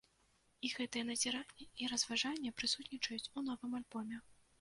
І гэтыя назіранні і разважанні прысутнічаюць у новым альбоме.